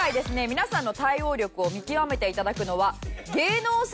皆さんの対応力を見極めて頂くのは。